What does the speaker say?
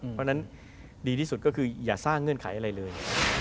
เพราะฉะนั้นดีที่สุดก็คืออย่าสร้างเงื่อนไขอะไรเลย